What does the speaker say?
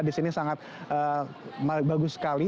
di sini sangat bagus sekali